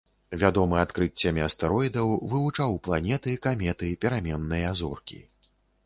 Вядомы адкрыццямі астэроідаў, вывучаў планеты, каметы, пераменныя зоркі.